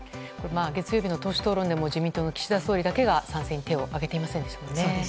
月曜日の党首討論でも自民党の岸田総理だけが賛成に手を挙げていませんでした。